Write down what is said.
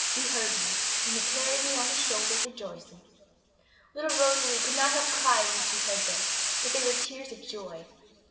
He heard me, and He carried me on His shoulders rejoicing.' Little Rosalie could not help crying when she heard this, but they were tears of joy.